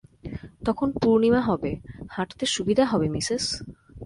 তখন পূর্ণিমা হবে, হাঁটতে সুবিধা হবে, মিসেস।